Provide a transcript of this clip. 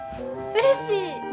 うれしい。